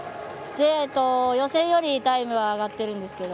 予選よりタイムは上がってるんですけど